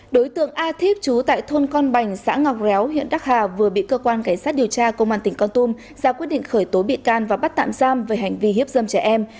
đối tượng a thiếp chú tại thôn con bành xã ngọc réo huyện đắc hà vừa bị cơ quan cảnh sát điều tra công an tỉnh con tum ra quyết định khởi tố bị can và bắt tạm giam về hành vi hiếp dâm trẻ em